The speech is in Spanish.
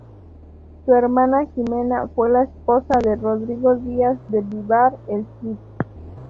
Su hermana Jimena, fue la esposa de Rodrigo Díaz de Vivar "el Cid".